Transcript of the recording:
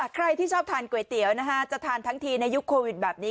ใครที่ชอบทานก๋วยเตี๋ยวจะทานทั้งทีในยุคโควิดแบบนี้